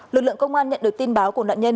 lực lượng công an nhận được tin báo của nạn nhân